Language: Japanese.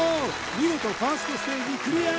見事ファーストステージクリア